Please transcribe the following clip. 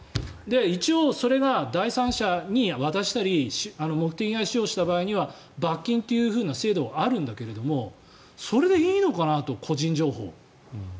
一応、それが第三者に渡したり目的外使用した場合には罰金という制度はあるんだけどそれでいいのかな？と。